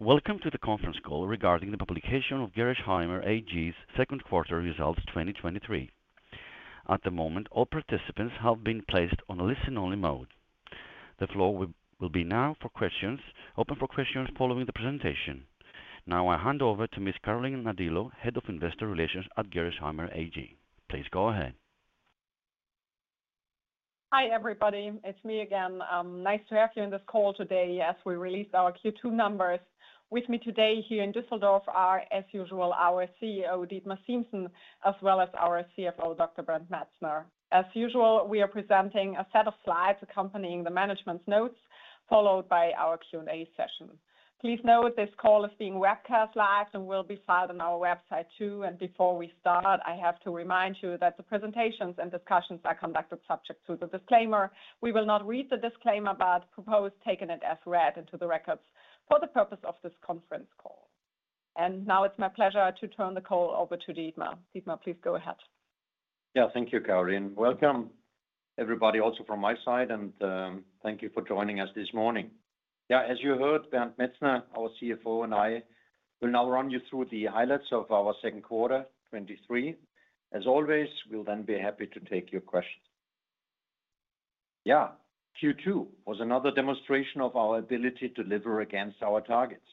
Welcome to the conference call regarding the publication of Gerresheimer AG's second quarter results, 2023. At the moment, all participants have been placed on a listen-only mode. The floor will be now open for questions following the presentation. I hand over to Ms. Carolin Nadilo, Head of Investor Relations at Gerresheimer AG. Please go ahead. Hi, everybody. It's me again. Nice to have you on this call today as we release our Q2 numbers. With me today here in Düsseldorf are, as usual, our CEO, Dietmar Siemssen, as well as our CFO, Dr Bernd Metzner. As usual, we are presenting a set of slides accompanying the management's notes, followed by our Q&A session. Please note, this call is being webcast live and will be filed on our website, too. Before we start, I have to remind you that the presentations and discussions are conducted subject to the disclaimer. We will not read the disclaimer, but propose taking it as read into the records for the purpose of this conference call. Now it's my pleasure to turn the call over to Dietmar. Dietmar, please go ahead. Yeah. Thank you, Carolin. Welcome, everybody, also from my side, and thank you for joining us this morning. Yeah, as you heard, Bernd Metzner, our CFO, and I will now run you through the highlights of our second quarter, 23. As always, we'll then be happy to take your questions. Yeah, Q2 was another demonstration of our ability to deliver against our targets.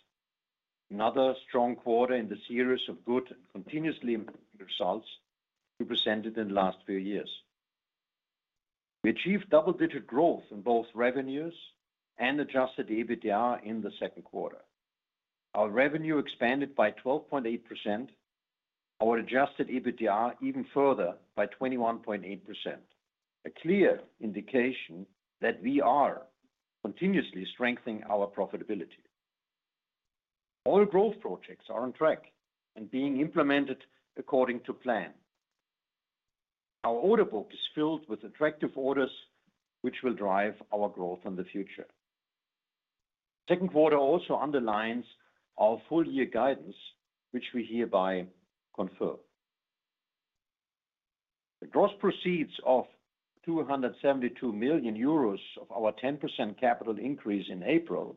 Another strong quarter in the series of good and continuously improving results we presented in the last few years. We achieved double-digit growth in both revenues and adjusted EBITDA in the second quarter. Our revenue expanded by 12.8%, our adjusted EBITDA even further by 21.8%. A clear indication that we are continuously strengthening our profitability. All growth projects are on track and being implemented according to plan. Our order book is filled with attractive orders, which will drive our growth in the future. Second quarter also underlines our full-year guidance, which we hereby confirm. The gross proceeds of 272 million euros of our 10% capital increase in April,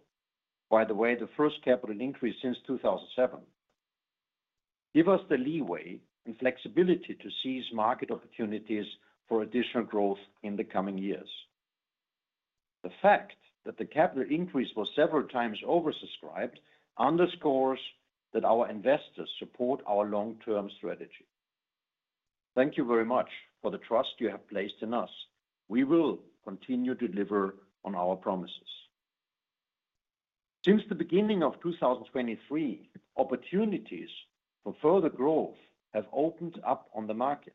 by the way, the first capital increase since 2007, give us the leeway and flexibility to seize market opportunities for additional growth in the coming years. The fact that the capital increase was several times oversubscribed underscores that our investors support our long-term strategy. Thank you very much for the trust you have placed in us. We will continue to deliver on our promises. Since the beginning of 2023, opportunities for further growth have opened up on the market,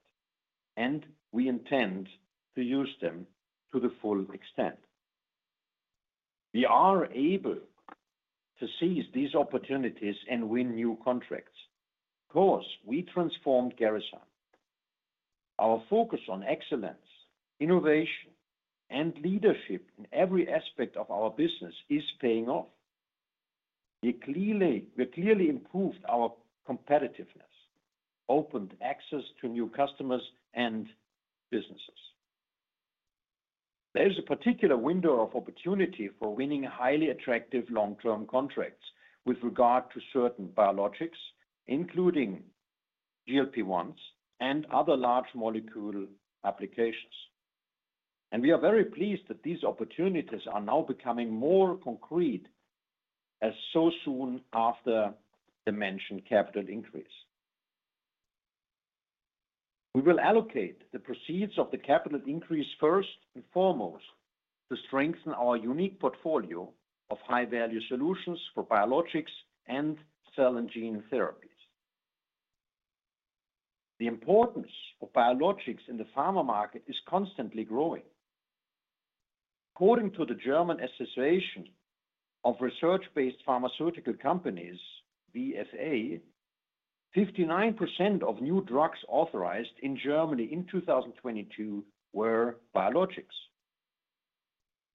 we intend to use them to the full extent. We are able to seize these opportunities and win new contracts. Of course, we transformed Gerresheimer. Our focus on excellence, innovation, and leadership in every aspect of our business is paying off. We clearly improved our competitiveness, opened access to new customers and businesses. There is a particular window of opportunity for winning highly attractive long-term contracts with regard to certain biologics, including GLP-1s and other large molecule applications. We are very pleased that these opportunities are now becoming more concrete as so soon after the mentioned capital increase. We will allocate the proceeds of the capital increase first and foremost, to strengthen our unique portfolio of high-value solutions for biologics and cell and gene therapies. The importance of biologics in the pharma market is constantly growing. According to the German Association of Research-Based Pharmaceutical Companies, vfa, 59% of new drugs authorized in Germany in 2022 were biologics.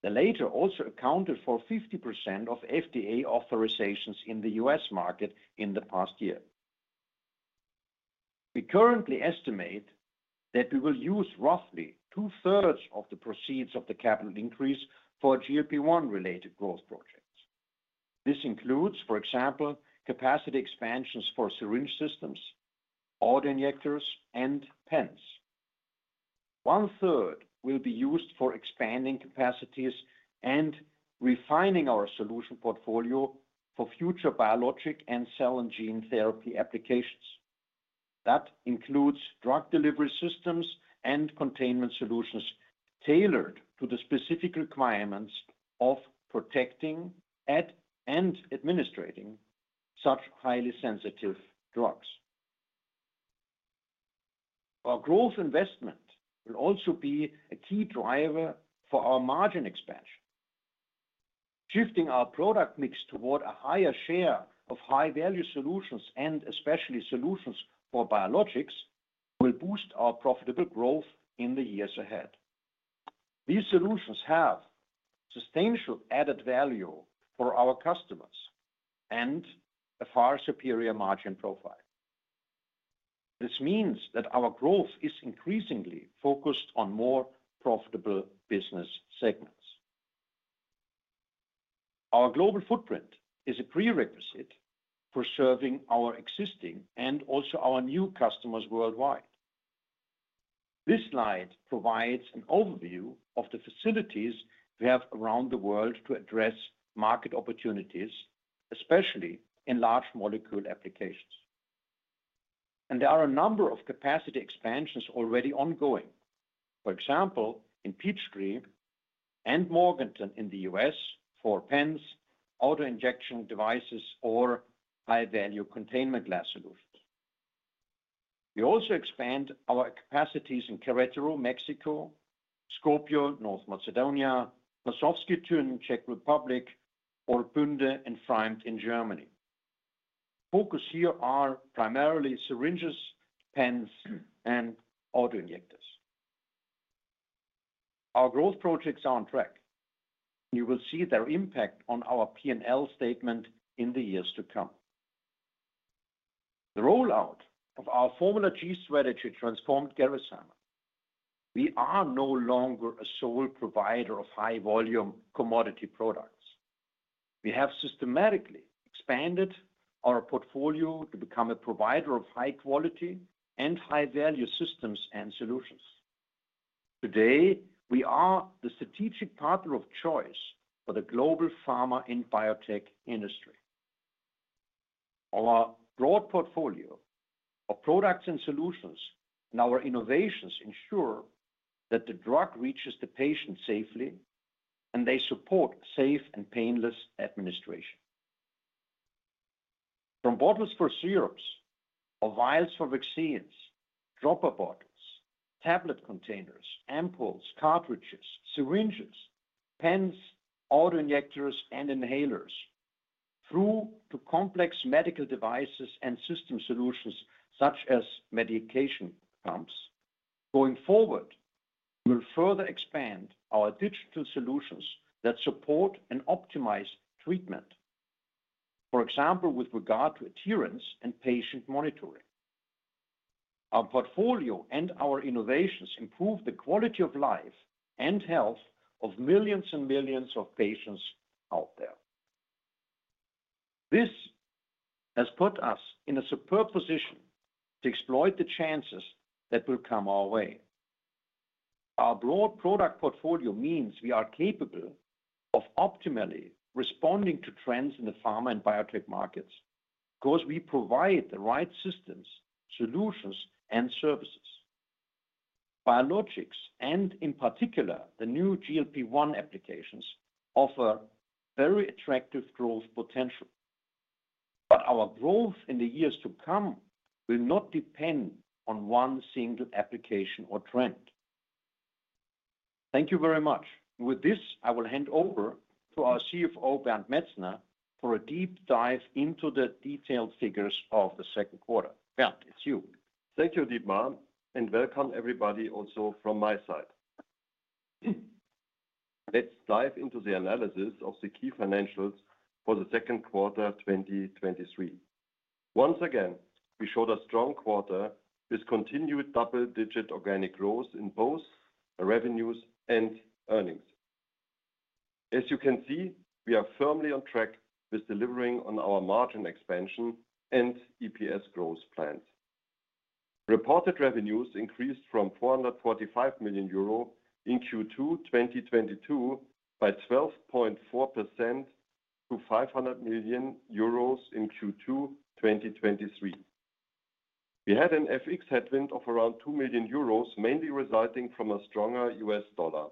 They later also accounted for 50% of FDA authorizations in the U.S. market in the past year. We currently estimate that we will use roughly two-thirds of the proceeds of the capital increase for GLP-1 related growth projects. This includes, for example, capacity expansions for syringe systems, auto-injectors, and pens. One-third will be used for expanding capacities and refining our solution portfolio for future biologic and cell and gene therapy applications. That includes drug delivery systems and containment solutions tailored to the specific requirements of protecting and administrating such highly sensitive drugs. Our growth investment will also be a key driver for our margin expansion. Shifting our product mix toward a higher share of high-value solutions, and especially solutions for biologics, will boost our profitable growth in the years ahead. These solutions have substantial added value for our customers and a far superior margin profile. This means that our growth is increasingly focused on more profitable business segments. Our global footprint is a prerequisite for serving our existing and also our new customers worldwide. This slide provides an overview of the facilities we have around the world to address market opportunities, especially in large molecule applications. There are a number of capacity expansions already ongoing. For example, in Peachtree and Morganton in the US for pens, auto-injection devices, or high-value containment glass solutions. We also expand our capacities in Querétaro, Mexico, Skopje, North Macedonia, Hlinsko, Czech Republic, or Bünde and Pfreimd in Germany. Focus here are primarily syringes, pens, and auto-injectors. Our growth projects are on track. You will see their impact on our P&L statement in the years to come. The rollout of our formula g strategy transformed Gerresheimer. We are no longer a sole provider of high-volume commodity products. We have systematically expanded our portfolio to become a provider of high quality and high-value systems and solutions. Today, we are the strategic partner of choice for the global pharma and biotech industry. Our broad portfolio of products and solutions, and our innovations ensure that the drug reaches the patient safely, and they support safe and painless administration. From bottles for syrups or vials for vaccines, dropper bottles, tablet containers, ampoules, cartridges, syringes, pens, auto-injectors, and inhalers, through to complex medical devices and system solutions, such as medication pumps. Going forward, we'll further expand our digital solutions that support and optimize treatment. For example, with regard to adherence and patient monitoring. Our portfolio and our innovations improve the quality of life and health of millions and millions of patients out there. This has put us in a superb position to exploit the chances that will come our way. Our broad product portfolio means we are capable of optimally responding to trends in the pharma and biotech markets, 'cause we provide the right systems, solutions, and services. Biologics, and in particular, the new GLP-1 applications, offer very attractive growth potential. Our growth in the years to come will not depend on one single application or trend. Thank you very much. With this, I will hand over to our CFO, Bernd Metzner, for a deep dive into the detailed figures of the second quarter. Bernd, it's you. Thank you, Dietmar. Welcome, everybody, also from my side. Let's dive into the analysis of the key financials for the second quarter, 2023. Once again, we showed a strong quarter with continued double-digit organic growth in both revenues and earnings. As you can see, we are firmly on track with delivering on our margin expansion and EPS growth plans. Reported revenues increased from 445 million euro in Q2 2022, by 12.4% to 500 million euros in Q2 2023. We had an FX headwind of around 2 million euros, mainly resulting from a stronger US dollar.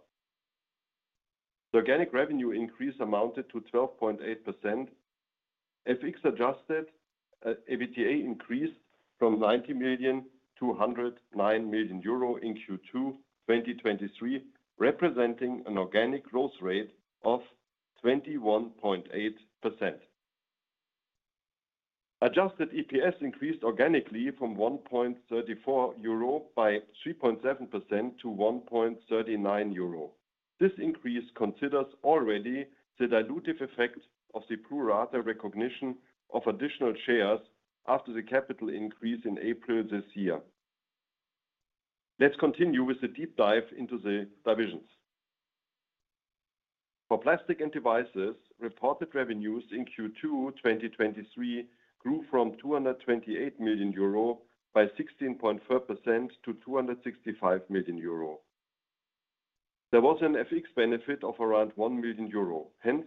The organic revenue increase amounted to 12.8%. FX adjusted EBITDA increased from 90 million to 109 million euro in Q2 2023, representing an organic growth rate of 21.8%. Adjusted EPS increased organically from 1.34 euro by 3.7% to 1.39 euro. This increase considers already the dilutive effect of the pro rata recognition of additional shares after the capital increase in April this year. Let's continue with the deep dive into the divisions. For Plastics & Devices, reported revenues in Q2 2023 grew from 228 million euro by 16.5% to 265 million euro. There was an FX benefit of around 1 million euro. Hence,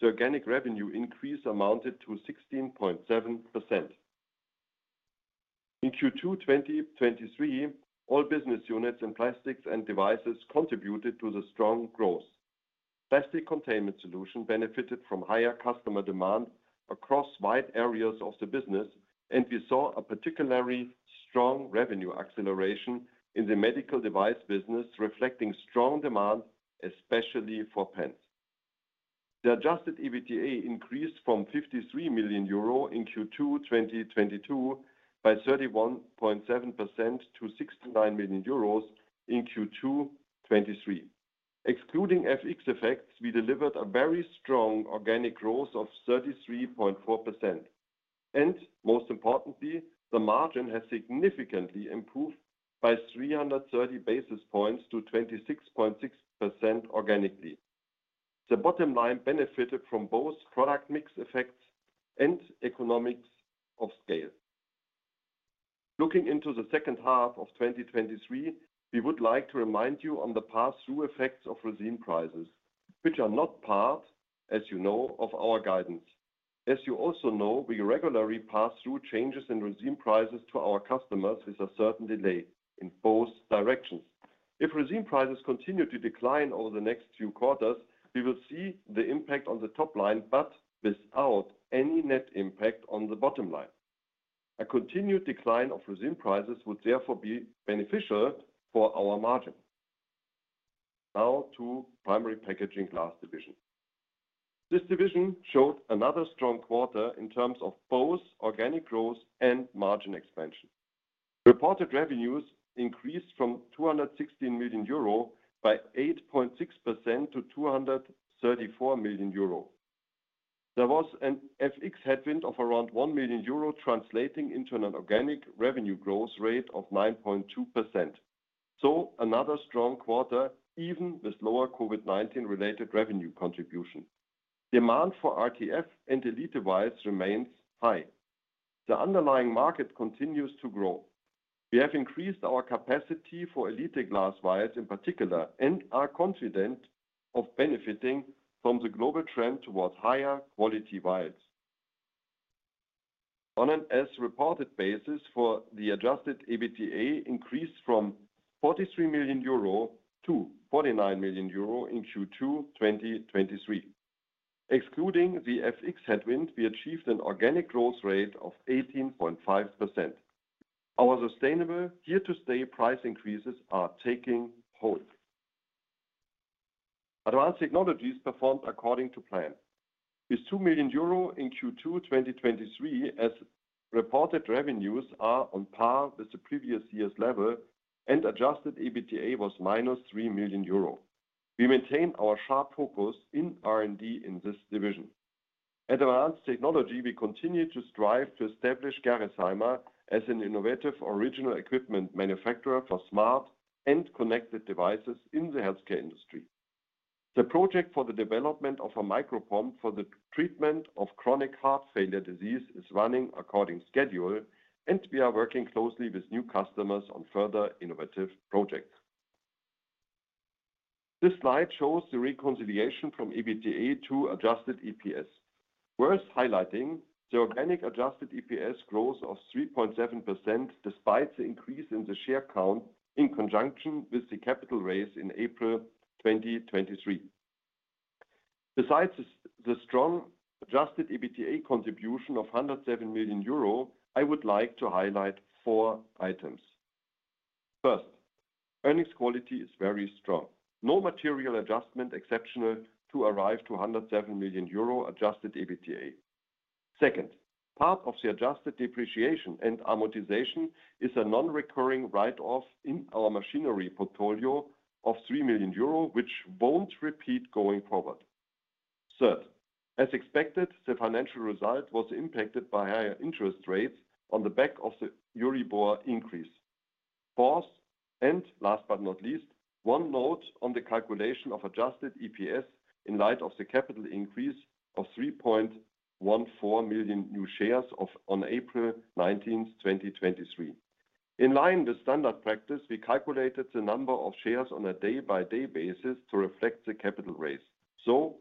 the organic revenue increase amounted to 16.7%. In Q2 2023, all business units in Plastics & Devices contributed to the strong growth. Plastic containment solution benefited from higher customer demand across wide areas of the business. We saw a particularly strong revenue acceleration in the medical device business, reflecting strong demand, especially for pens. The adjusted EBITDA increased from 53 million euro in Q2 2022, by 31.7% to 69 million EUR in Q2 2023. Excluding FX effects, we delivered a very strong organic growth of 33.4%. Most importantly, the margin has significantly improved by 330 basis points to 26.6% organically. The bottom line benefited from both product mix effects and economics of scale. Looking into the second half of 2023, we would like to remind you on the pass-through effects of resin prices, which are not part, as you know, of our guidance. As you also know, we regularly pass through changes in resin prices to our customers with a certain delay in both directions. If resin prices continue to decline over the next few quarters, we will see the impact on the top line, but without any net impact on the bottom line. A continued decline of resin prices would therefore be beneficial for our margin. Now to Primary Packaging Glass Division. This division showed another strong quarter in terms of both organic growth and margin expansion. Reported revenues increased from 216 million euro by 8.6% to 234 million euro. There was an FX headwind of around 1 million euro, translating into an organic revenue growth rate of 9.2%. Another strong quarter, even with lower COVID-19 related revenue contribution. Demand for RTF and Elite device remains high. The underlying market continues to grow. We have increased our capacity for elite glass vials in particular, and are confident of benefiting from the global trend towards higher quality vials. On an as-reported basis for the adjusted EBITDA increased from 43 million euro to 49 million euro in Q2 2023. Excluding the FX headwind, we achieved an organic growth rate of 18.5%. Our sustainable here-to-stay price increases are taking hold. Advanced Technologies performed according to plan, with 2 million euro in Q2 2023 as reported revenues are on par with the previous year's level, and adjusted EBITDA was minus 3 million euro. We maintain our sharp focus in R&D in this division. At Advanced Technologies, we continue to strive to establish Gerresheimer as an innovative original equipment manufacturer for smart and connected devices in the healthcare industry. The project for the development of a micropump for the treatment of chronic heart failure disease is running according schedule, we are working closely with new customers on further innovative projects. This slide shows the reconciliation from EBITDA to adjusted EPS. Worth highlighting, the organic adjusted EPS growth of 3.7%, despite the increase in the share count in conjunction with the capital raise in April 2023. Besides the strong adjusted EBITDA contribution of 107 million euro, I would like to highlight four items. First, earnings quality is very strong. No material adjustment exceptional to arrive to 107 million euro adjusted EBITDA. Second, part of the adjusted depreciation and amortization is a non-recurring write-off in our machinery portfolio of 3 million euro, which won't repeat going forward. Third, as expected, the financial result was impacted by higher interest rates on the back of the Euribor increase. Fourth, last but not least, one note on the calculation of adjusted EPS in light of the capital increase of 3.14 million new shares on April 19, 2023. In line with standard practice, we calculated the number of shares on a day-by-day basis to reflect the capital raise. For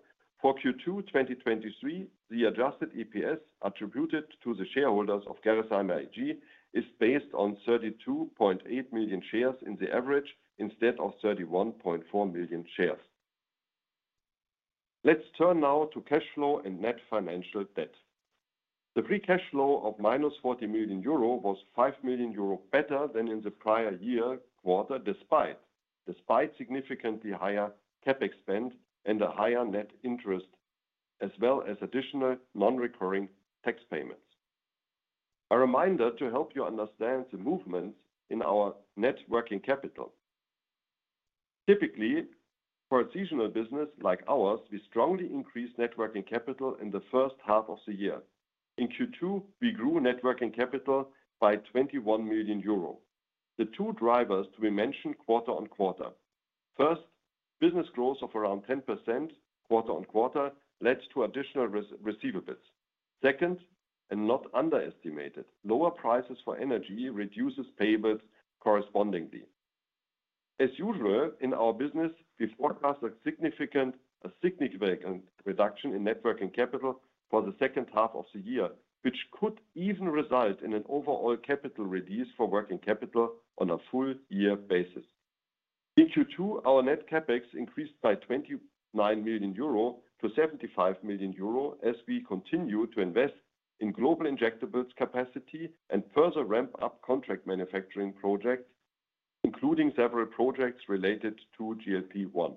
Q2 2023, the adjusted EPS attributed to the shareholders of Gerresheimer AG is based on 32.8 million shares in the average, instead of 31.4 million shares. Let's turn now to cash flow and net financial debt. The free cash flow of minus 40 million euro was 5 million euro better than in the prior year quarter, despite significantly higher CapEx spend and a higher net interest, as well as additional non-recurring tax payments. A reminder to help you understand the movements in our net working capital. Typically, for a seasonal business like ours, we strongly increase net working capital in the first half of the year. In Q2, we grew net working capital by 21 million euro. The two drivers to be mentioned quarter on quarter. First, business growth of around 10% quarter on quarter led to additional re- receivables. Second, and not underestimated, lower prices for energy reduces payables correspondingly. As usual, in our business, we forecast a significant reduction in net working capital for the second half of the year, which could even result in an overall capital reduce for working capital on a full year basis. In Q2, our net CapEx increased by 29 million euro to 75 million euro, as we continue to invest in global injectables capacity and further ramp up contract manufacturing projects, including several projects related to GLP-1.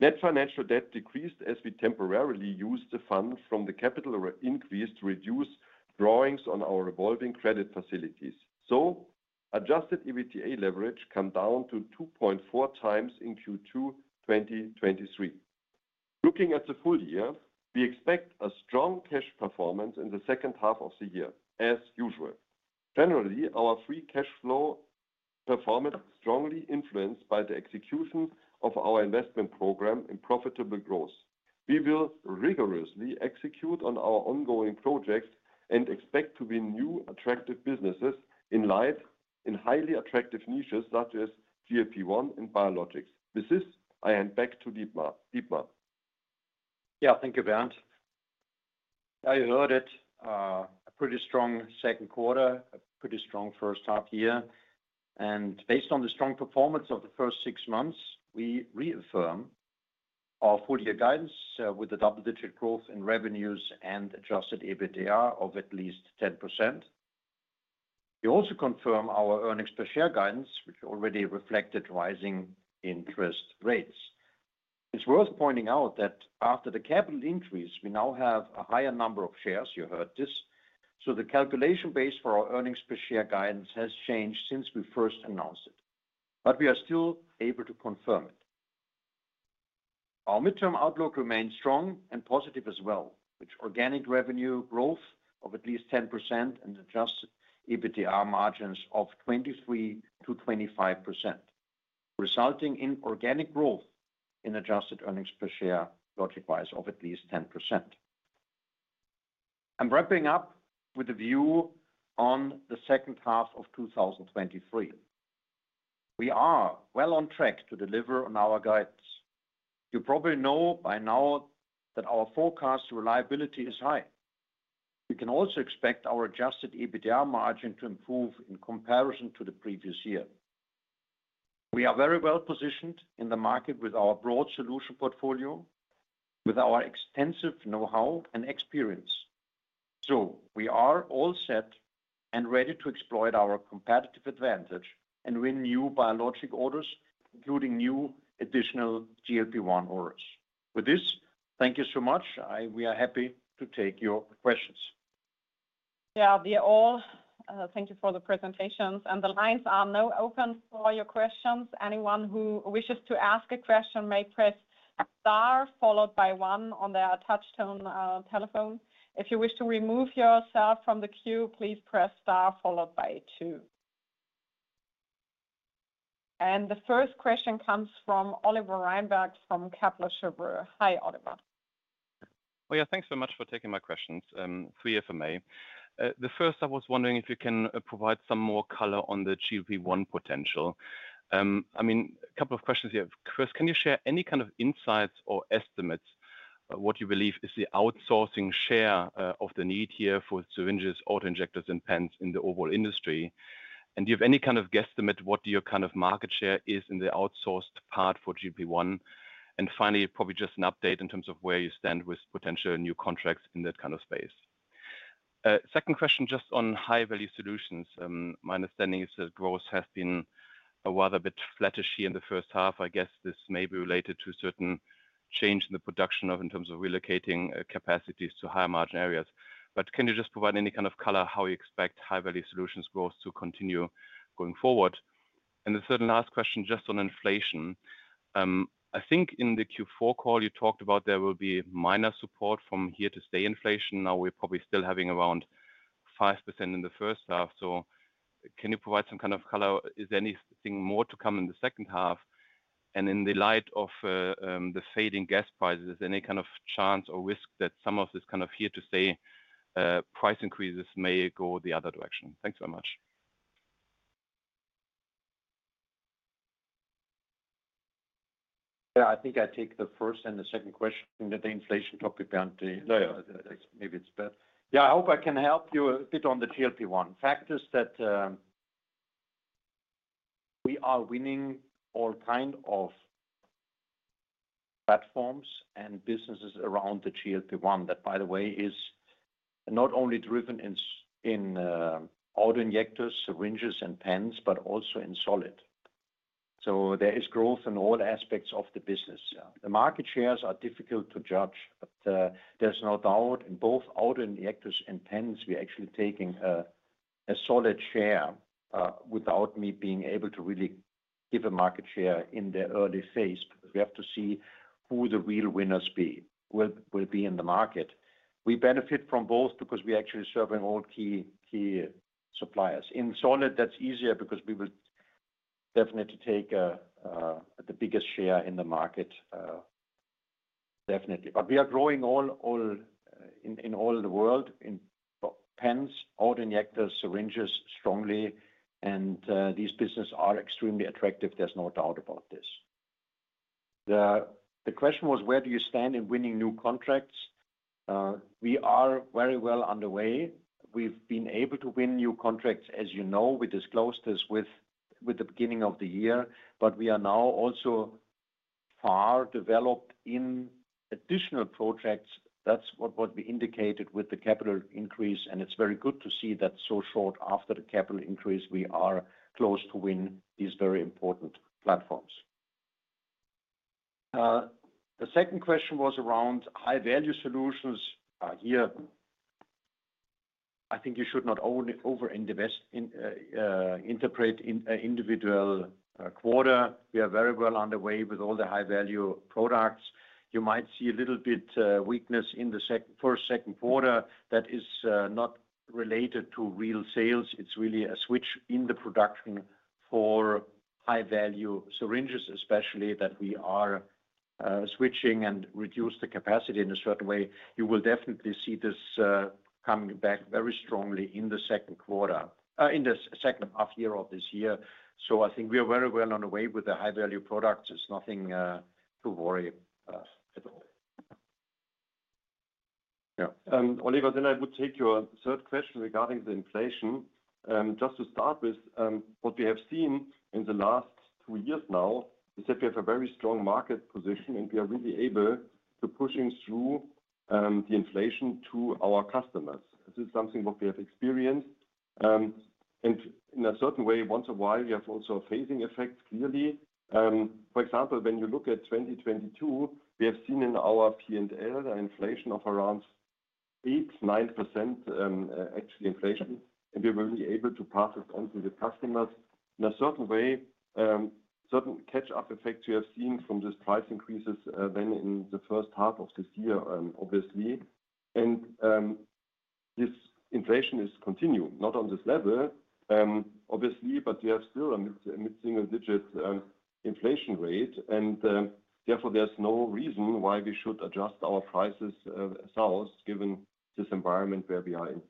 Net financial debt decreased as we temporarily used the funds from the capital increase to reduce drawings on our revolving credit facilities. adjusted EBITDA leverage come down to 2.4 times in Q2 2023. Looking at the full year, we expect a strong cash performance in the second half of the year, as usual. Generally, our free cash flow performance strongly influenced by the execution of our investment program in profitable growth. We will rigorously execute on our ongoing projects and expect to win new attractive businesses in life, in highly attractive niches such as GLP-1 and Biologics. With this, I hand back to Dietmar. Dietmar? Yeah, thank you, Bernd. Now you heard it, a pretty strong second quarter, a pretty strong first half year. Based on the strong performance of the first 6 months, we reaffirm our full year guidance, with the double-digit growth in revenues and adjusted EBITDA of at least 10%. We also confirm our earnings per share guidance, which already reflected rising interest rates. It's worth pointing out that after the capital increase, we now have a higher number of shares. You heard this. The calculation base for our earnings per share guidance has changed since we first announced it, but we are still able to confirm it. Our midterm outlook remains strong and positive as well, with organic revenue growth of at least 10% and adjusted EBITDA margins of 23%-25%, resulting in organic growth in adjusted earnings per share, logic wise, of at least 10%. I'm wrapping up with a view on the second half of 2023. We are well on track to deliver on our guidance. You probably know by now that our forecast reliability is high. We can also expect our adjusted EBITDA margin to improve in comparison to the previous year. We are very well positioned in the market with our broad solution portfolio, with our extensive know-how and experience. We are all set and ready to exploit our competitive advantage and win new biologic orders, including new additional GLP-1 orders. With this, thank you so much. We are happy to take your questions. Yeah, we are all, thank you for the presentations. The lines are now open for your questions. Anyone who wishes to ask a question may press star, followed by one on their touchtone telephone. If you wish to remove yourself from the queue, please press star, followed by two. The first question comes from Oliver Reinberg, from Kepler Cheuvreux. Hi, Oliver. Well, yeah, thanks so much for taking my questions, three for me. The first, I was wondering if you can provide some more color on the GLP-1 potential. I mean, a couple of questions here. First, can you share any kind of insights or estimates of what you believe is the outsourcing share of the need here for syringes, auto injectors, and pens in the overall industry? Do you have any kind of guesstimate what your kind of market share is in the outsourced part for GLP-1? Finally, probably just an update in terms of where you stand with potential new contracts in that kind of space. Second question, just on high-value solutions. My understanding is that growth has been a rather bit flattishy in the first half. I guess this may be related to a certain change in the production of in terms of relocating capacities to higher margin areas. Can you just provide any kind of color, how you expect high-value solutions growth to continue going forward? The third and last question, just on inflation. I think in the Q4 call you talked about there will be minor support from here to stay inflation. Now, we're probably still having around 5% in the first half. Can you provide some kind of color? Is there anything more to come in the second half? In the light of the fading gas prices, is there any kind of chance or risk that some of this kind of here to stay price increases may go the other direction? Thanks so much. Yeah, I think I take the first and the second question, and the inflation topic, Bernd. Yeah, yeah. Maybe it's better. Yeah, I hope I can help you a bit on the GLP-1. Fact is that we are winning all kind of platforms and businesses around the GLP-1. That, by the way, is not only driven in auto injectors, syringes, and pens, but also in solid. There is growth in all aspects of the business. The market shares are difficult to judge, but there's no doubt in both auto injectors and pens, we are actually taking a solid share without me being able to really give a market share in the early phase, because we have to see who the real winners will be in the market. We benefit from both because we actually serving all key suppliers. In solid, that's easier because we will definitely take the biggest share in the market, definitely. We are growing all in all the world, in pens, auto injectors, syringes, strongly, and these businesses are extremely attractive, there's no doubt about this. The question was: where do you stand in winning new contracts? We are very well underway. We've been able to win new contracts. As you know, we disclosed this with the beginning of the year, we are now also far developed in additional projects, that's what we indicated with the capital increase, and it's very good to see that so short after the capital increase, we are close to win these very important platforms. The second question was around high-value solutions. Here, I think you should not only over invest in interpret in individual quarter. We are very well on the way with all the high-value products. You might see a little bit weakness in the first, second quarter that is not related to real sales. It's really a switch in the production for high-value syringes, especially, that we are switching and reduce the capacity in a certain way. You will definitely see this coming back very strongly in the second quarter in the second half year of this year. I think we are very well on the way with the high-value products. It's nothing to worry at all. Oliver, I would take your third question regarding the inflation. Just to start with, what we have seen in the last 3 years now is that we have a very strong market position, we are really able to pushing through the inflation to our customers. This is something what we have experienced. In a certain way, once in a while, we have also a phasing effect clearly. For example, when you look at 2022, we have seen in our P&L the inflation of around 8%, 9%, actually inflation, we were really able to pass it on to the customers. In a certain way, certain catch-up effect we have seen from this price increases in the first half of this year, obviously. This inflation is continuing, not on this level, obviously, but we have still a mid-single digit inflation rate, and, therefore, there's no reason why we should adjust our prices, ourselves, given this environment where we are in.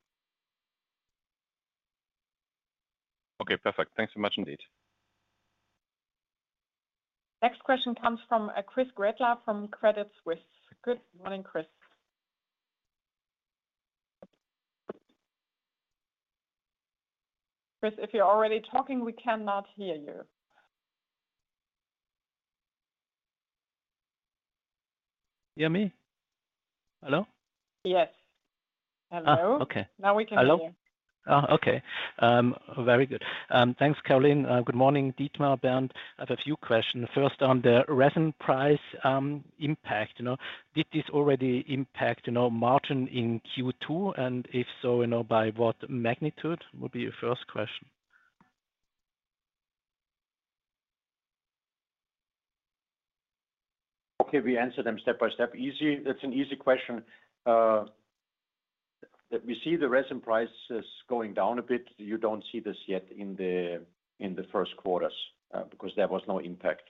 Okay, perfect. Thanks so much indeed. Next question comes from Chris Graja from Credit Suisse. Good morning, Chris. Chris, if you're already talking, we cannot hear you. Yeah, me? Hello? Yes. Hello? Okay. Now we can hear you. Hello. Oh, okay. very good. thanks, Caroline. good morning, Dietmar, Bernd. I have a few questions. First, on the resin price, impact. You know, did this already impact, you know, margin in Q2? If so, you know, by what magnitude, would be your first question. We answer them step by step. Easy, that's an easy question. That we see the resin prices going down a bit. You don't see this yet in the, in the first quarters, because there was no impact.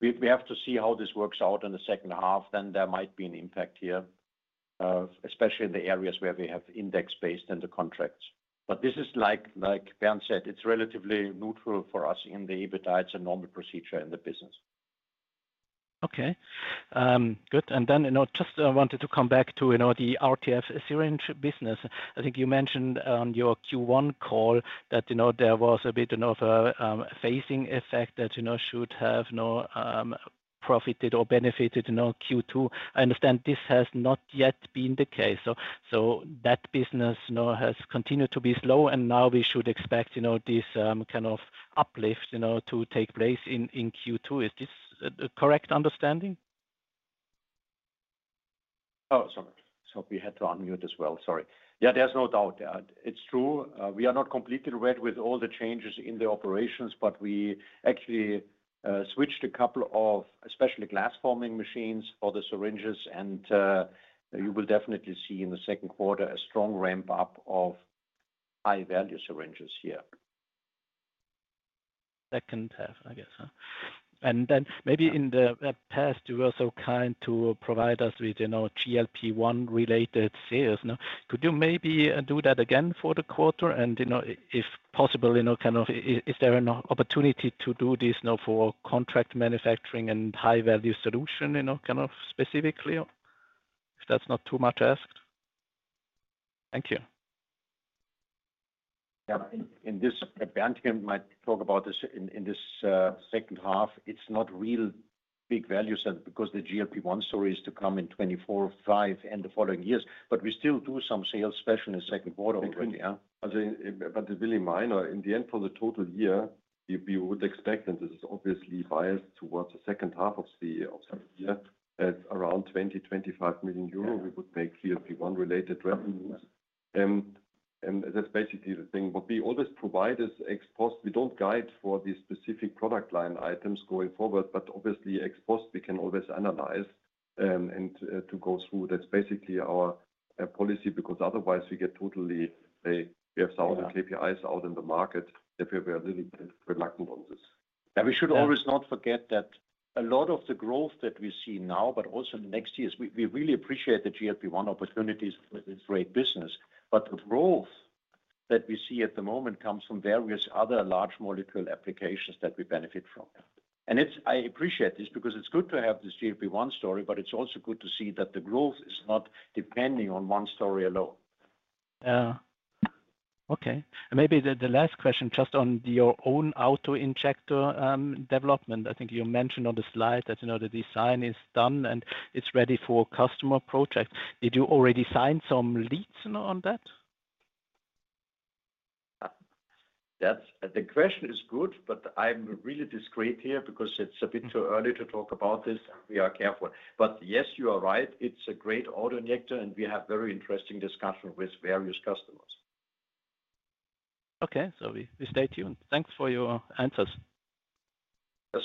We have to see how this works out in the second half, then there might be an impact here, especially in the areas where we have index-based in the contracts. This is like Bernd said, it's relatively neutral for us in the EBIT, it's a normal procedure in the business. Good. You know, just wanted to come back to, you know, the RTF syringe business. I think you mentioned on your Q1 call that, you know, there was a bit of a phasing effect that, you know, should have, you know, profited or benefited, you know, Q2. I understand this has not yet been the case, so that business, you know, has continued to be slow, and now we should expect, you know, this kind of uplift, you know, to take place in Q2. Is this a correct understanding? Sorry. We had to unmute as well. Sorry. There's no doubt. It's true. We are not completely red with all the changes in the operations. We actually switched a couple of, especially glass-forming machines for the syringes. You will definitely see in the second quarter, a strong ramp-up of high-value syringes here. Second half, I guess, huh? Then maybe in the past, you were so kind to provide us with, you know, GLP-1 related sales, you know. Could you maybe do that again for the quarter? You know, if possible, you know, kind of is there an opportunity to do this now for contract manufacturing and high-value solution, you know, kind of specifically? If that's not too much asked. Thank you. Yeah. In this, Bernd here might talk about this in this second half, it's not real big value set because the GLP-1 story is to come in 2024, 2025, and the following years. We still do some sales, especially in the second quarter already, yeah? They're really minor. In the end, for the total year, you would expect, and this is obviously biased towards the second half of the year, at around 20 million-25 million euro. Yeah We would make GLP-1 related revenues. That's basically the thing, but we always provide this ex post. We don't guide for the specific product line items going forward, but obviously, ex post, we can always analyze, and to go through. That's basically our policy, because otherwise, we get totally, we have 1,000 KPIs out in the market, and we are really reluctant on this. Yeah, we should always not forget that a lot of the growth that we see now, but also in the next years, we really appreciate the GLP-1 opportunities with this great business. The growth that we see at the moment comes from various other large molecule applications that we benefit from. Yeah. I appreciate this because it's good to have this GLP-1 story, but it's also good to see that the growth is not depending on one story alone. Maybe the last question just on your own auto injector development. I think you mentioned on the slide that, you know, the design is done, and it's ready for customer project. Did you already sign some leads on that? The question is good, but I'm really discreet here because it's a bit too early to talk about this. We are careful. Yes, you are right, it's a great auto injector, and we have very interesting discussion with various customers. Okay, we stay tuned. Thanks for your answers.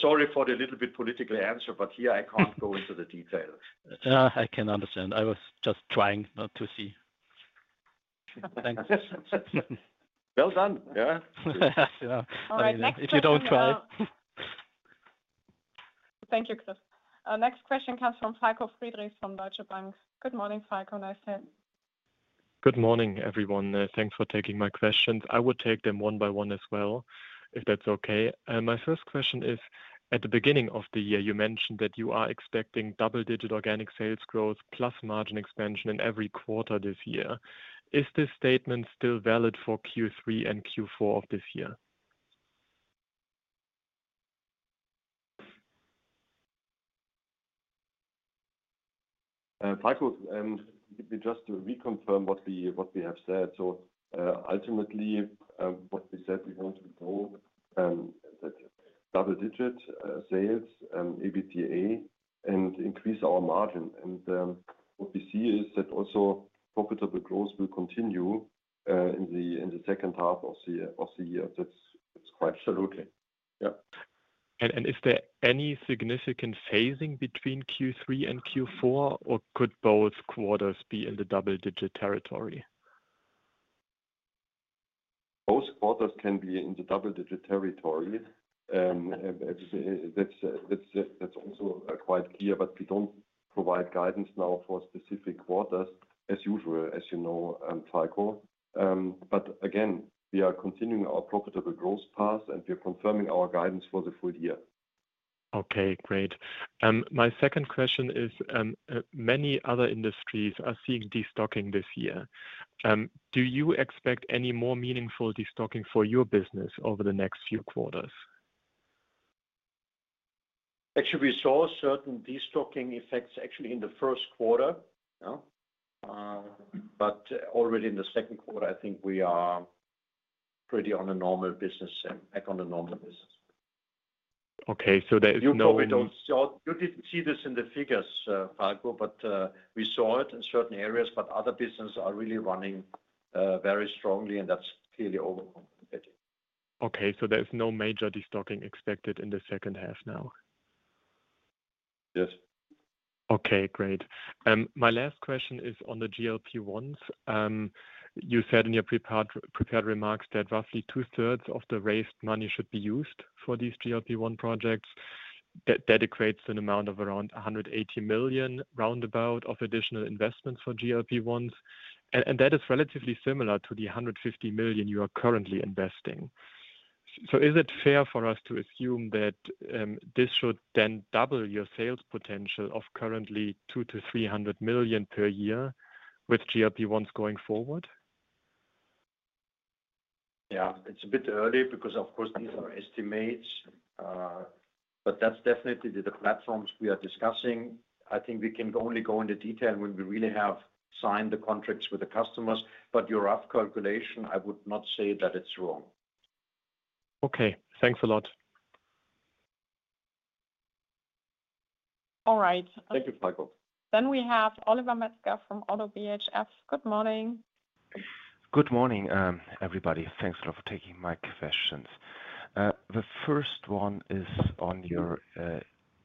Sorry for the little bit politically answer. Here I can't go into the details. I can understand. I was just trying not to see. Thanks. Well done. Yeah. Yeah. All right, next question. If you don't try. Thank you, Chris. Our next question comes from Falko Friedrichs from Deutsche Bank. Good morning, Falco. Nice to hear you. Good morning, everyone. Thanks for taking my questions. I will take them one by one as well, if that's okay. My first question is, at the beginning of the year, you mentioned that you are expecting double-digit organic sales growth plus margin expansion in every quarter this year. Is this statement still valid for Q3 and Q4 of this year? Falko, let me just to reconfirm what we have said. ultimately, what we said, we want to grow that double-digit sales EBITDA and increase our margin. what we see is that also profitable growth will continue in the second half of the year. That's, it's quite absolutely. Yep. Is there any significant phasing between Q3 and Q4, or could both quarters be in the double digit territory? Both quarters can be in the double-digit territory. Actually, that's also quite clear, but we don't provide guidance now for specific quarters, as usual, as you know, Falko. Again, we are continuing our profitable growth path, and we are confirming our guidance for the full year. Okay, great. My second question is, many other industries are seeing destocking this year. Do you expect any more meaningful destocking for your business over the next few quarters? Actually, we saw certain destocking effects actually in the first quarter, yeah. Already in the second quarter, I think we are pretty on a normal business and back on a normal business. Okay, there is no way. You didn't see this in the figures, Falko, but we saw it in certain areas, but other businesses are really running, very strongly, and that's clearly overcompensating. Okay, there's no major destocking expected in the second half now? Yes. Okay, great. My last question is on the GLP-1s. You said in your prepared remarks that roughly two-thirds of the raised money should be used for these GLP-1 projects. That creates an amount of around 180 million, roundabout, of additional investments for GLP-1s, and that is relatively similar to the 150 million you are currently investing. Is it fair for us to assume that this should then double your sales potential of currently 200 million-300 million per year with GLP-1s going forward? Yeah, it's a bit early because, of course, these are estimates. That's definitely the platforms we are discussing. I think we can only go into detail when we really have signed the contracts with the customers. Your rough calculation, I would not say that it's wrong. Okay. Thanks a lot. All right. Thank you, Falko. We have Oliver Metzger from ODDO BHF. Good morning. Good morning, everybody. Thanks a lot for taking my questions. The first one is on your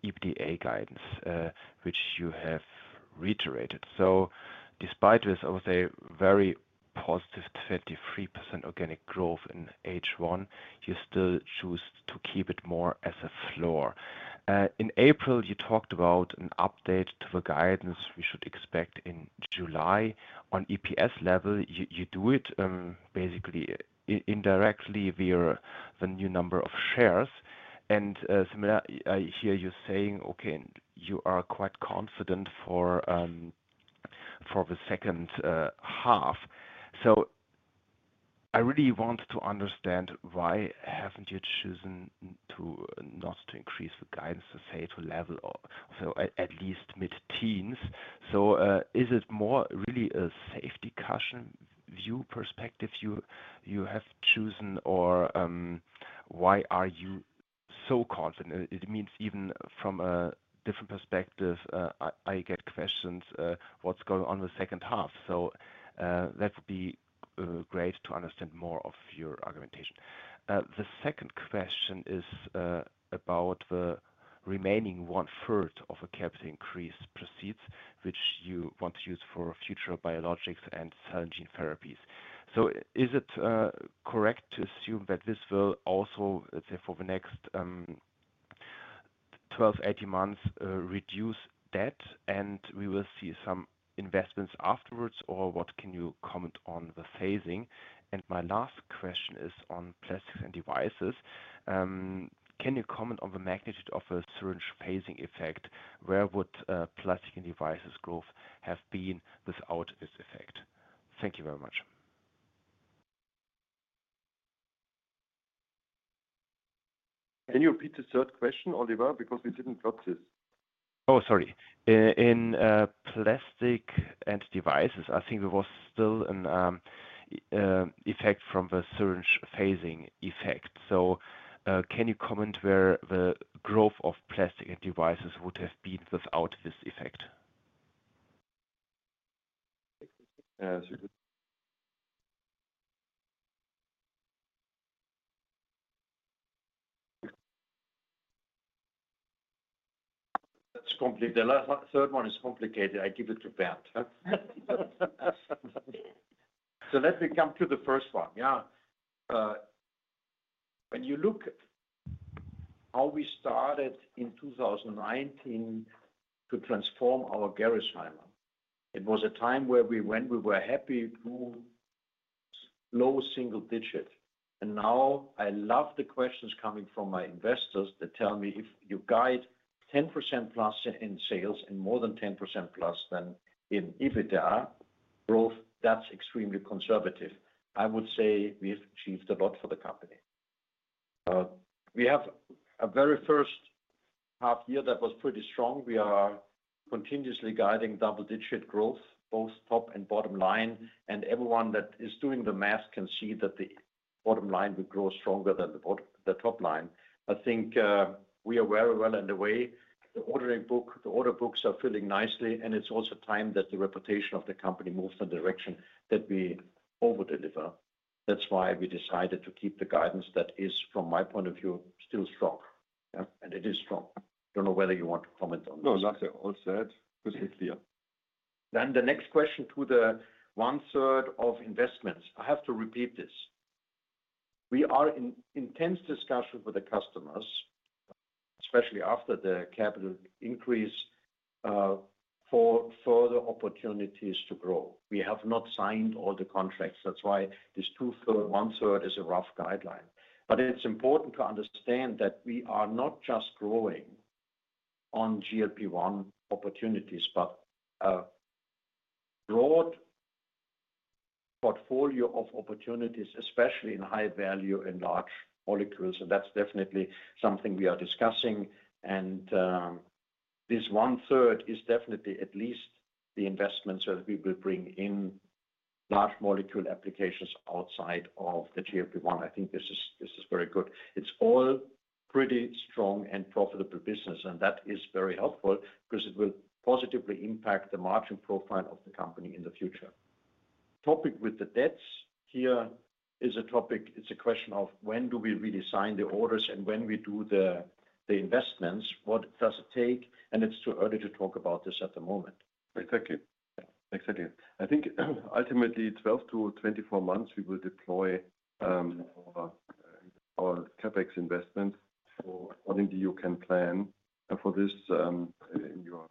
EBITDA guidance, which you have reiterated. Despite this, I would say, very positive 33% organic growth in H1, you still choose to keep it more as a floor. In April, you talked about an update to the guidance we should expect in July. On EPS level, you do it, basically, indirectly via the new number of shares. Similar, I hear you saying, okay, you are quite confident for the second half. I really want to understand, why haven't you chosen not to increase the guidance, let's say, to level or so at least mid-teens? Is it more really a safety caution view perspective you have chosen or why are you so confident? It means even from a different perspective, I get questions, what's going on the second half. That would be great to understand more of your argumentation. The second question is about the remaining one-third of the capital increase proceeds, which you want to use for future biologics and cell gene therapies. Is it correct to assume that this will also, let's say, for the next, 12, 18 months, reduce debt, and we will see some investments afterwards, or what can you comment on the phasing? My last question is on Plastics & Devices. Can you comment on the magnitude of a syringe phasing effect? Where would Plastics & Devices growth have been without this effect? Thank you very much. Can you repeat the third question, Oliver? Because we didn't got this. Oh, sorry. In Plastics & Devices, I think there was still an effect from the syringe phasing effect. Can you comment where the growth of Plastics & Devices would have been without this effect? That's complete. The third one is complicated. I give it to Bernd, huh? Let me come to the first one. Yeah. When you look at how we started in 2019 to transform our Gerresheimer, it was a time where we were happy to low single digit. Now I love the questions coming from my investors that tell me, if you guide 10%+ in sales and more than 10%+ than in EBITDA growth, that's extremely conservative. I would say we have achieved a lot for the company. We have a very first half year that was pretty strong. We are continuously guiding double-digit growth, both top and bottom line, and everyone that is doing the math can see that the bottom line will grow stronger than the top line. I think, we are very well on the way. The order books are filling nicely, and it's also time that the reputation of the company moves the direction that we over-deliver. That's why we decided to keep the guidance that is, from my point of view, still strong. Yeah, it is strong. I don't know whether you want to comment on this. No, last, all said, because it's clear. The next question to the one-third of investments. I have to repeat this. We are in intense discussion with the customers, especially after the capital increase, for further opportunities to grow. We have not signed all the contracts. That's why this two-third, one-third is a rough guideline. It's important to understand that we are not just growing on GLP-1 opportunities, but a broad portfolio of opportunities, especially in high value and large molecules. That's definitely something we are discussing. This one-third is definitely at least the investments that we will bring in large molecule applications outside of the GLP-1. I think this is very good. It's all pretty strong and profitable business, and that is very helpful because it will positively impact the margin profile of the company in the future. Topic with the debts, it's a question of when do we really sign the orders and when we do the investments, what does it take? It's too early to talk about this at the moment. Exactly. Exactly. I think ultimately, 12-24 months, we will deploy our CapEx investment. I think you can plan for this in your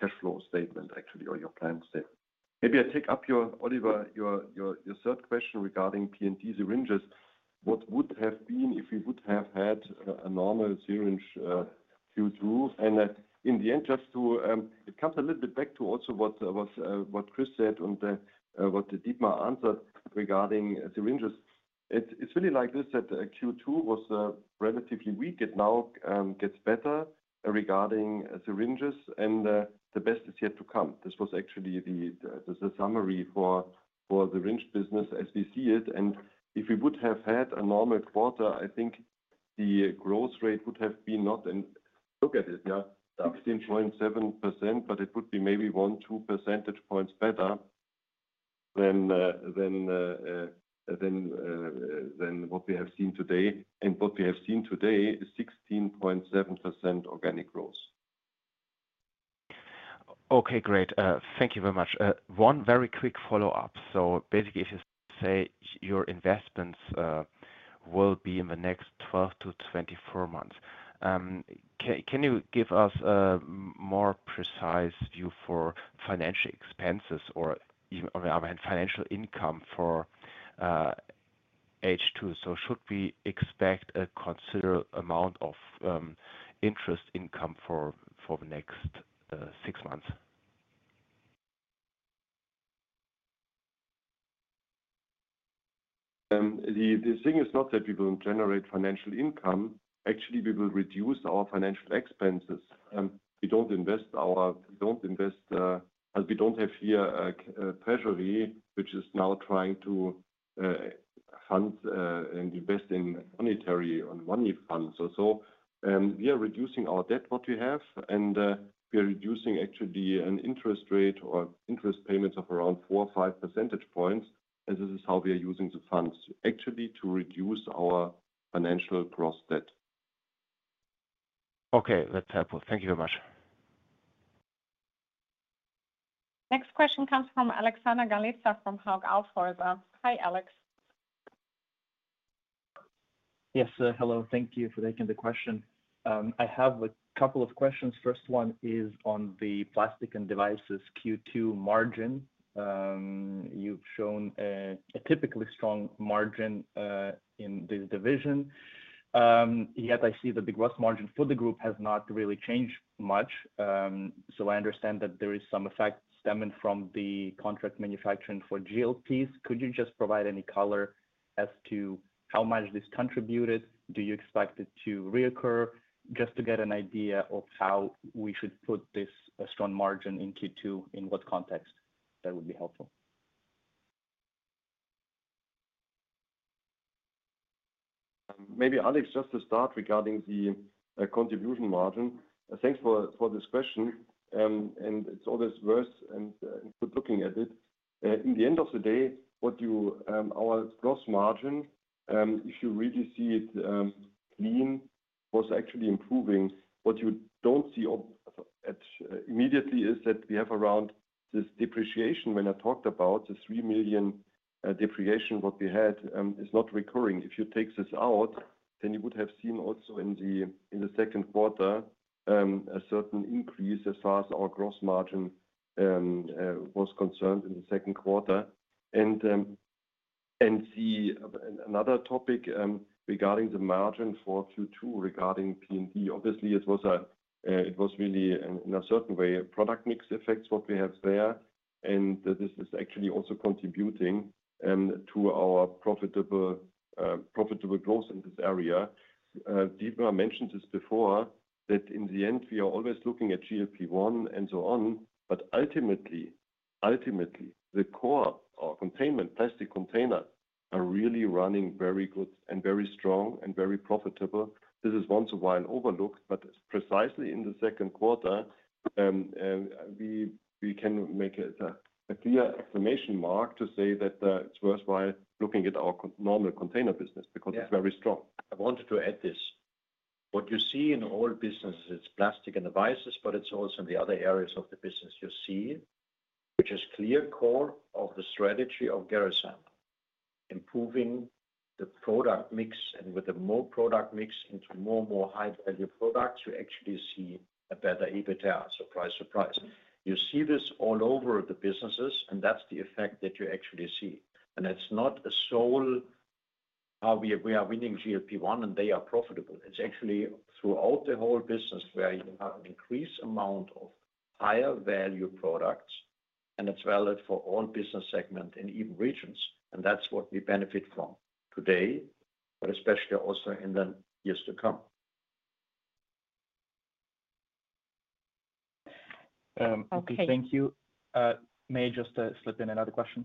cash flow statement, actually, or your plan statement. Maybe I take up Oliver, your third question regarding RTF syringes. What would have been if we would have had a normal syringe, Q2? That in the end, just to... It comes a little bit back to also what Chris said on what Dietmar answered regarding syringes. It's really like this, that Q2 was relatively weak. It now gets better regarding syringes, and the best is yet to come. This was actually the summary for the syringe business as we see it. If we would have had a normal quarter, I think the growth rate would have been not... Look at it, yeah, 16.7%, but it would be maybe one, two percentage points better than what we have seen today. What we have seen today is 16.7% organic growth. Okay, great. Thank you very much. One very quick follow-up. Basically, if you say your investments, will be in the next 12-24 months, can you give us a more precise view for financial expenses or even, I mean, financial income for H2? Should we expect a considerable amount of interest income for the next 6 months? The thing is not that we will generate financial income. Actually, we will reduce our financial expenses. We don't invest, as we don't have here a treasury, which is now trying to hunt and invest in monetary, on money funds. We are reducing our debt, what we have, and we are reducing actually an interest rate or interest payments of around 4 or 5 percentage points, and this is how we are using the funds, actually, to reduce our financial gross debt. Okay, that's helpful. Thank you very much. Next question comes from Alexander Galliza from Hauck Aufhäuser. Hi, Alex. Yes, hello. Thank you for taking the question. I have a couple of questions. First one is on the Plastics & Devices Q2 margin. You've shown a typically strong margin in this division. Yet I see the gross margin for the group has not really changed much. I understand that there is some effect stemming from the contract manufacturing for GLP-1s. Could you just provide any color as to how much this contributed? Do you expect it to reoccur? Just to get an idea of how we should put this strong margin in Q2, in what context, that would be helpful. Maybe, Alex, just to start regarding the contribution margin. Thanks for this question, and it's always worth and good looking at it. In the end of the day, our gross margin, if you really see it clean, was actually improving. What you don't see immediately is that we have around this depreciation when I talked about, the 3 million depreciation what we had, is not recurring. If you take this out, you would have seen also in the second quarter a certain increase as far as our gross margin was concerned in the second quarter. Another topic regarding the margin for Q2, regarding P&L, obviously, it was really in a certain way a product mix effects what we have there, and this is actually also contributing to our profitable growth in this area. Dietmar mentioned this before, that in the end, we are always looking at GLP-1 and so on, but ultimately, the core of containment, plastic container, are really running very good and very strong and very profitable. This is once a while overlooked, precisely in the second quarter, we can make a clear exclamation mark to say that it's worthwhile looking at our normal container business because. Yeah... it's very strong. I wanted to add this. What you see in all businesses is Plastics & Devices, but it's also in the other areas of the business you see, which is clear core of the strategy of Gerresheimer. Improving the product mix, and with the more product mix into more high-value products, you actually see a better EBITDA. Surprise, surprise. You see this all over the businesses, and that's the effect that you actually see. It's not a sole, we are winning GLP-1, and they are profitable. It's actually throughout the whole business where you have increased amount of higher-value products, and it's valid for all business segment and even regions. That's what we benefit from today, but especially also in the years to come. Okay, thank you. Okay. May I just slip in another question?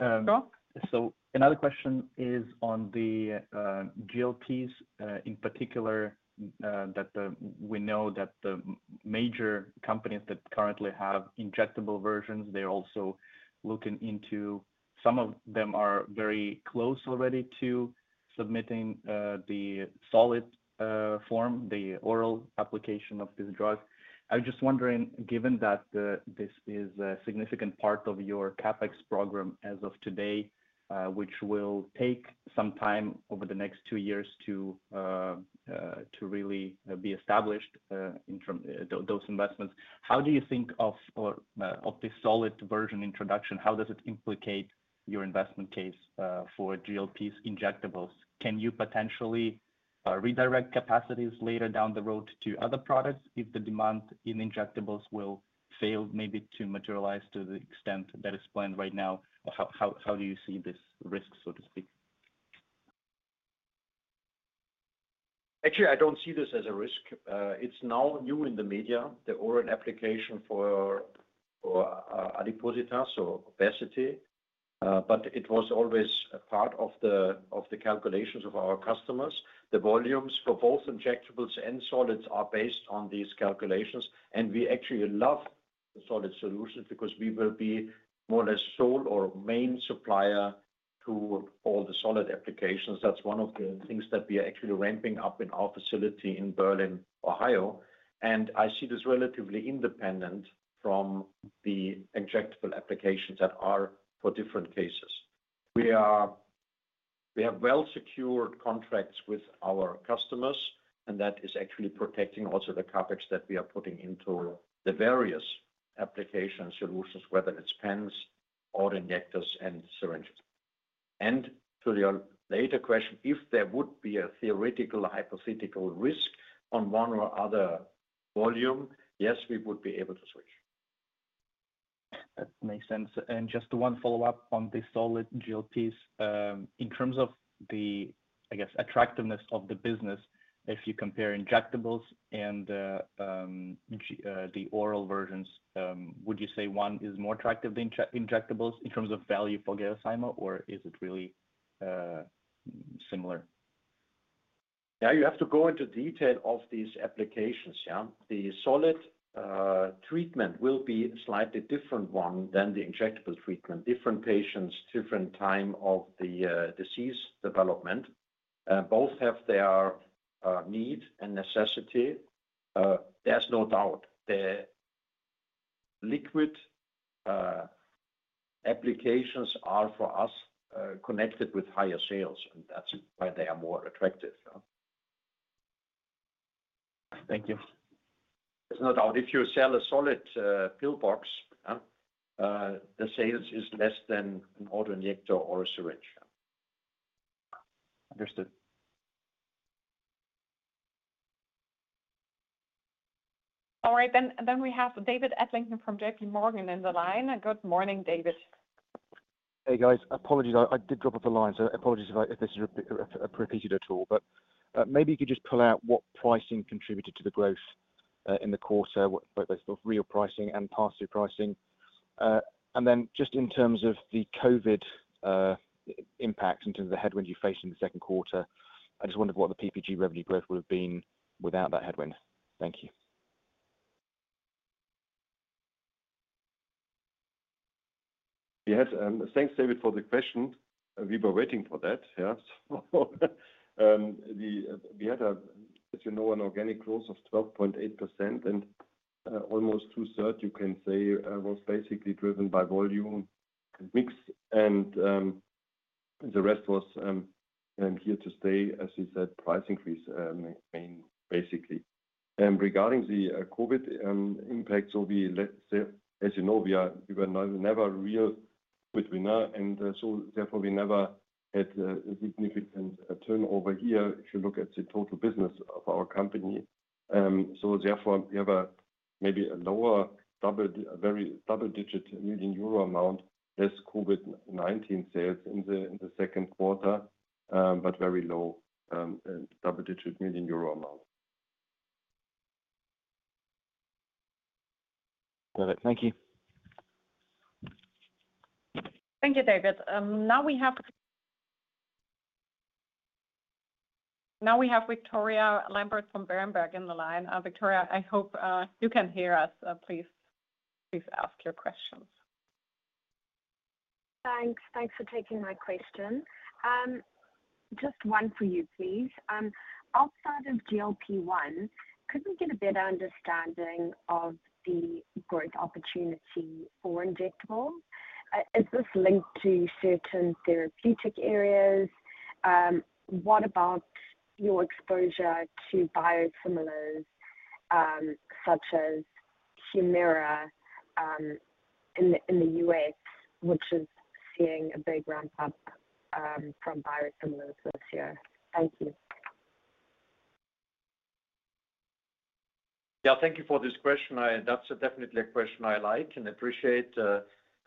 Sure. Another question is on the GLPs, in particular, that we know that the major companies that currently have injectable versions, they're also looking into. Some of them are very close already to submitting the solid form, the oral application of this drug. I was just wondering, given that this is a significant part of your CapEx program as of today, which will take some time over the next two years to really be established in term, those investments, how do you think of or of this solid version introduction, how does it implicate your investment case for GLPs injectables? Can you potentially redirect capacities later down the road to other products if the demand in injectables will fail, maybe to materialize to the extent that is planned right now? How do you see this risk, so to speak? Actually, I don't see this as a risk. It's now new in the media, the oral application for Adipositas, so obesity. It was always a part of the calculations of our customers. The volumes for both injectables and solids are based on these calculations, and we actually love the solid solutions because we will be more or less sole or main supplier to all the solid applications. That's one of the things that we are actually ramping up in our facility in Berlin, Ohio. I see this relatively independent from the injectable applications that are for different cases. We have well-secured contracts with our customers, and that is actually protecting also the CapEx that we are putting into the various application solutions, whether it's pens, auto injectors, and syringes. To your later question, if there would be a theoretical, hypothetical risk on one or other volume, yes, we would be able to switch. That makes sense. Just one follow-up on the solid GLPs. In terms of the, I guess, attractiveness of the business, if you compare injectables and the oral versions, would you say one is more attractive than injectables in terms of value for Gerresheimer, or is it really similar? Yeah, you have to go into detail of these applications, yeah. The solid treatment will be a slightly different one than the injectable treatment. Different patients, different time of the disease development. Both have their need and necessity. There's no doubt the liquid applications are, for us, connected with higher sales. That's why they are more attractive. Thank you. There's no doubt, if you sell a solid pill box, the sales is less than an auto injector or a syringe. Understood. All right, then we have David Adlington from JPMorgan in the line. Good morning, David. Hey, guys. Apologies, I did drop off the line, so apologies if this is repeated at all. Maybe you could just pull out what pricing contributed to the growth in the quarter, both real pricing and pass-through pricing. Just in terms of the COVID impact, in terms of the headwinds you faced in the second quarter, I just wondered what the PPG revenue growth would have been without that headwind. Thank you. Thanks, David, for the question. We were waiting for that. We had, as you know, an organic growth of 12.8%. Almost 2/3 was basically driven by volume mix, and the rest was here to stay, as you said, price increase in basically. Regarding the COVID-19 impact, we say, as you know, we were never real with Vienna. Therefore, we never had a significant turnover here, if you look at the total business of our company. Therefore, we have a very double-digit EUR million amount as COVID-19 sales in the second quarter, but very low, and double-digit million euro amount. Got it. Thank you. Thank you, David. Now we have Victoria Lambert from Berenberg in the line. Victoria, I hope, you can hear us. Please ask your questions. Thanks for taking my question. Just one for you, please. Outside of GLP-1, could we get a better understanding of the growth opportunity for injectables? Is this linked to certain therapeutic areas? What about your exposure to biosimilars, such as Humira, in the U.S., which is seeing a big ramp-up from biosimilars this year? Thank you. Thank you for this question. That's definitely a question I like and appreciate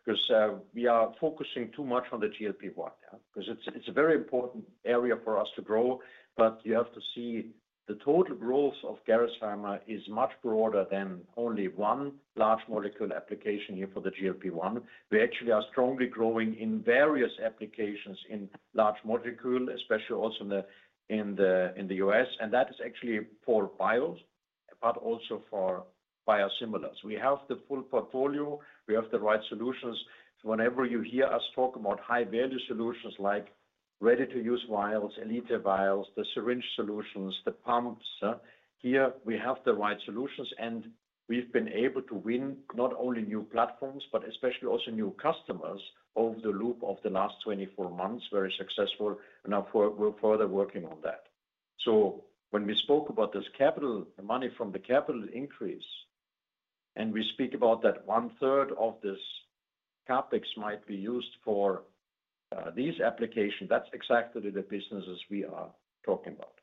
because we are focusing too much on the GLP-1. It's a very important area for us to grow, but you have to see the total growth of Gerresheimer is much broader than only one large molecule application here for the GLP-1. We actually are strongly growing in various applications in large molecule, especially also in the US, and that is actually for bios, but also for biosimilars. We have the full portfolio, we have the right solutions. Whenever you hear us talk about high-value solutions like Ready-to-Use vials, Elite vials, the syringe solutions, the pumps, here we have the right solutions, and we've been able to win not only new platforms, but especially also new customers over the loop of the last 24 months. Very successful. Now we're further working on that. When we spoke about this capital, the money from the capital increase, and we speak about that one-third of this CapEx might be used for these applications, that's exactly the businesses we are talking about.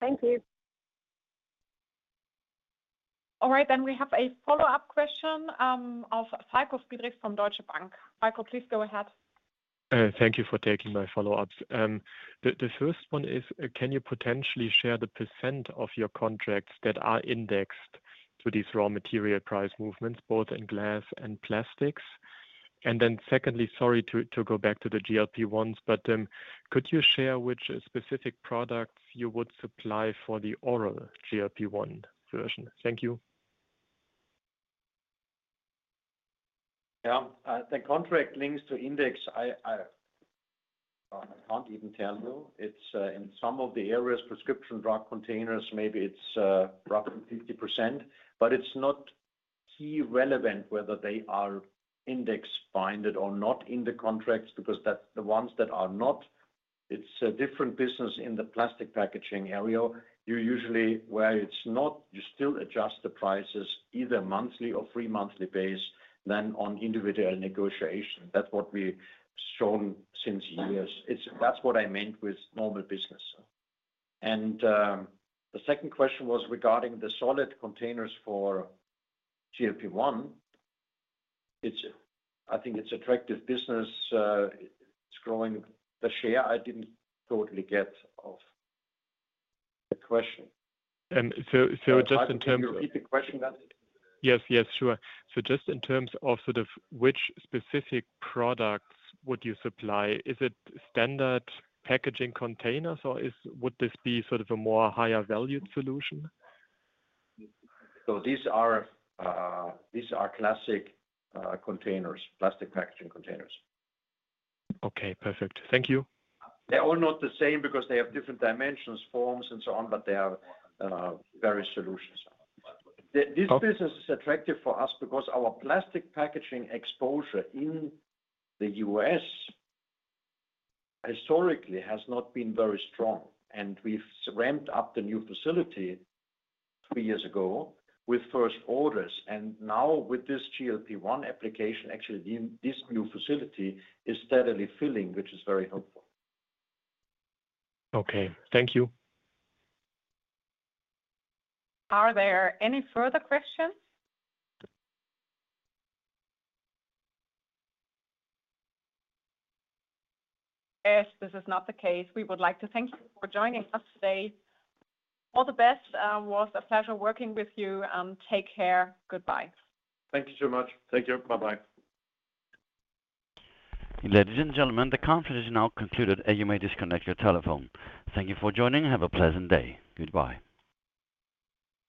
Thank you. All right, we have a follow-up question, of Falko Friedrichs from Deutsche Bank. Falko, please go ahead. Thank you for taking my follow-ups. The first one is, can you potentially share the % of your contracts that are indexed to these raw material price movements, both in glass and plastics? Secondly, sorry to go back to the GLP-1s, but could you share which specific products you would supply for the oral GLP-1 version? Thank you. Yeah. The contract links to index, I can't even tell you. It's in some of the areas, prescription drug containers, maybe it's roughly 50%, but it's not key relevant whether they are index binded or not in the contracts, because that's the ones that are not. It's a different business in the plastic packaging area. You usually where it's not, you still adjust the prices either monthly or three-monthly base, than on individual negotiation. That's what we've shown since years. That's what I meant with normal business. The second question was regarding the solid containers for GLP-1. It's, I think it's attractive business. It's growing. The share, I didn't totally get of the question. so just in terms of Can you repeat the question, then? Yes, sure. Just in terms of sort of which specific products would you supply, is it standard packaging containers, or would this be sort of a more higher valued solution? These are classic, containers, plastic packaging containers. Okay, perfect. Thank you. They're all not the same because they have different dimensions, forms, and so on, but they are various solutions. Okay. This business is attractive for us because our plastic packaging exposure in the U.S., historically, has not been very strong. We've ramped up the new facility three years ago with first orders. Now with this GLP-1 application, actually, this new facility is steadily filling, which is very helpful. Okay. Thank you. Are there any further questions? As this is not the case, we would like to thank you for joining us today. All the best. It was a pleasure working with you, and take care. Goodbye. Thank you so much. Thank you. Bye-bye. Ladies and gentlemen, the conference is now concluded, and you may disconnect your telephone. Thank you for joining and have a pleasant day. Goodbye.